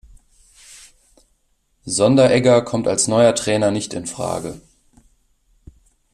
Sonderegger kommt als neuer Trainer nicht infrage.